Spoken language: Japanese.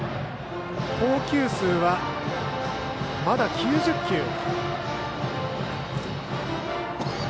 投球数はまだ９０球。